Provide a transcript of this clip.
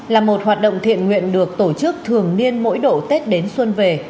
là một hoạt động thiện nguyện được tổ chức thường niên mỗi độ tết đến xuân về